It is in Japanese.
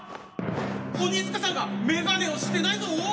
鬼塚さんが眼鏡をしてないぞ。